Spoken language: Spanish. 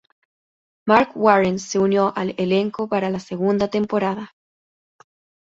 Marc Warren se unió al elenco para la segunda temporada.